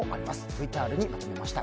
ＶＴＲにまとめました。